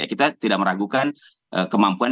kita tidak meragukan kemampuan